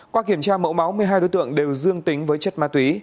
qua kiểm tra mẫu máu một mươi hai đối tượng đều dương tính với chất ma túy